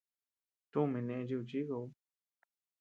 Tumi neʼe chi kuchikauu.